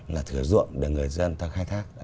là thừa ruộng để người dân ta khai thác